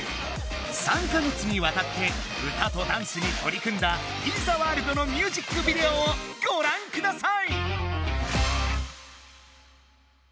３か月にわたって歌とダンスにとり組んだ「ＢｅＴｈｅＷｏｒｌｄ」のミュージックビデオをごらんください！